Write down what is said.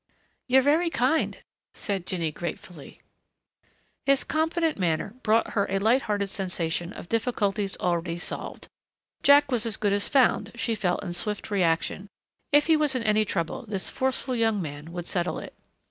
"You're very kind," said Jinny gratefully. His competent manner brought her a light hearted sensation of difficulties already solved. Jack was as good as found, she felt in swift reaction. If he was in any trouble this forceful young man would settle it.